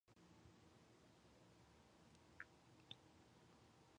The film received generally good reviews.